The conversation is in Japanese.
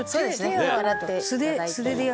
手を洗っていただいて。